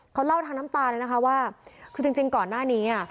เขาเล่าทางน้ำตาเลยนะคะว่าคือจริงก่อนหน้านี้อ่ะ